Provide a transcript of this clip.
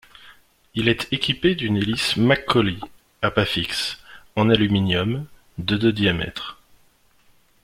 Il est équipé d'une hélice McCauley à pas fixe, en aluminium, de de diamètre.